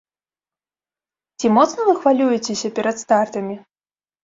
Ці моцна вы хвалюецеся перад стартамі?